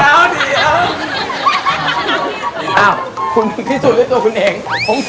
คุณนั่งที่สุดแล้วตัวคุณเอง